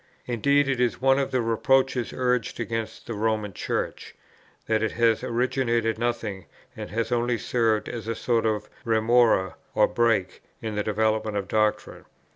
Indeed, it is one of the reproaches urged against the Roman Church, that it has originated nothing, and has only served as a sort of remora or break in the development of doctrine.